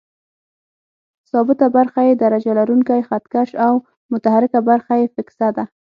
ثابته برخه یې درجه لرونکی خط کش او متحرکه برخه یې فکسه ده.